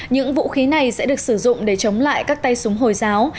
những vũ khí này sẽ được sử dụng để chống lại các tay súng hồi giáo